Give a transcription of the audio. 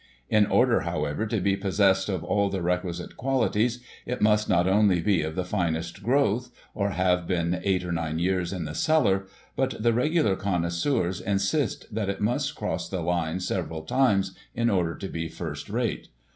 In order, however, to be possessed of all the requisite qualities, it must not only be of the finest growth, or have been eight or nine yeeirs in the cellar, but the regular connoisseurs insist that it must cross the line several times, in order to be first rate.